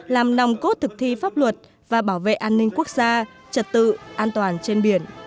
làm nòng cốt thực thi pháp luật và bảo vệ an ninh quốc gia trật tự an toàn trên biển